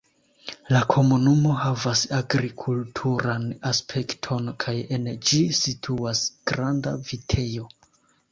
La komunumo havas agrikulturan aspekton kaj en ĝi situas granda vitejo.